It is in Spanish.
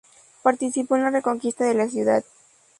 Participó en la Reconquista de la ciudad.